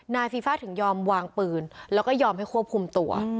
ฟีฟ่าถึงยอมวางปืนแล้วก็ยอมให้ควบคุมตัว